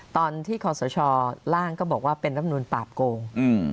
ตอนที่ขอสชล่างก็บอกว่าเป็นรัฐมนุนปราบโกง